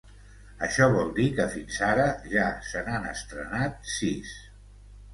Això vol dir que fins ara ja se n’han estrenat sis.